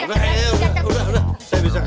eh pak garuk ya